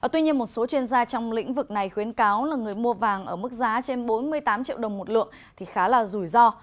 tuy nhiên một số chuyên gia trong lĩnh vực này khuyến cáo là người mua vàng ở mức giá trên bốn mươi tám triệu đồng một lượng thì khá là rủi ro